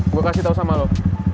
gue kasih tau sama lo